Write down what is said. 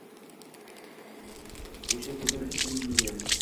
O’sha suvdan ichdim nega